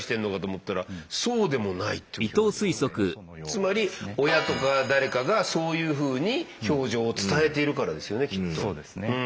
つまり親とか誰かがそういうふうに表情を伝えているからですよねきっと。